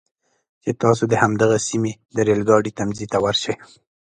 چې تاسو د همدغې سیمې د ریل ګاډي تمځي ته ورشئ.